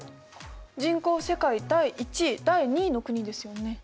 人口世界第１位第２位の国ですよね。